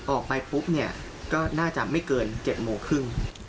ออกไปปุ๊บเนี่ยก็น่าจะไม่เกิน๗โมงครึ่ง